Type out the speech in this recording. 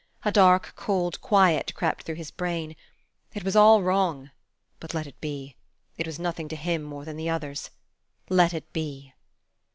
A dark, cold quiet crept through his brain. It was all wrong; but let it be! It was nothing to him more than the others. Let it be!